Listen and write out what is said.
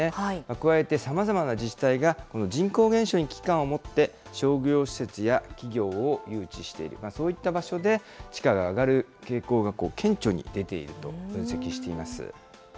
加えてさまざまな自治体が、この人口減少に危機感を持って、商業施設や企業を誘致している、そういった場所で地価が上がる傾向が顕著に出ていると分析しています。